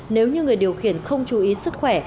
nếu như người điều khiển không chú ý sức khỏe